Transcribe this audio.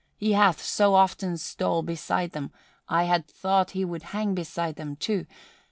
He hath so often stole beside them, I had thought he would hang beside them too.